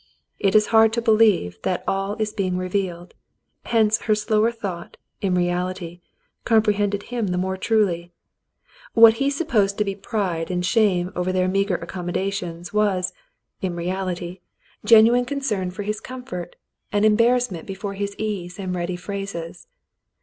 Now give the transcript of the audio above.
It is hard to believe that all is being revealed, hence her slower thought, in reality, comprehended him the more truly. What he supposed to be pride and shame over their meagre accommodations was, in reality, genuine concern for his 22 The Mountain Girl comfort, and embarrassment before his ease and ready phrases.